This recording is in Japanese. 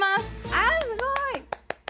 あすごい！